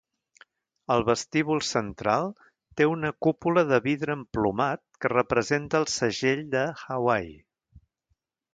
El vestíbul central té una cúpula de vidre emplomat que representa el segell de Hawaii.